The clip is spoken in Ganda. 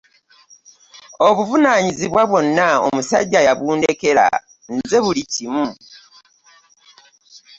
Obuvunaanyizibwa bwonna omusajja yabundekera nze buli kimu.